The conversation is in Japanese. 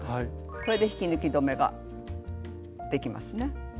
これで引き抜き止めができますね。